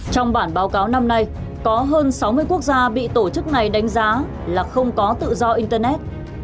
trong bản báo cáo năm nay có hơn sáu mươi quốc gia bị tổ chức này đánh giá là không có tự do internet